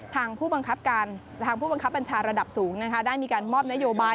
ทางผู้บังคับบัญชาระดับสูงได้มีการมอบนโยบาย